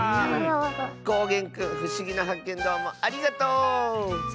こうげんくんふしぎなはっけんどうもありがとう！